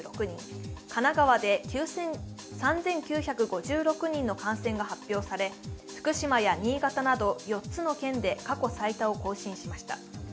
神奈川で３９５６人の感染が発表され、福島や新潟など４つの県で過去最多を更新しました。